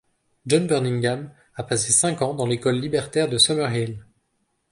John Burningham a passé cinq ans dans l'école libertaire de Summerhill.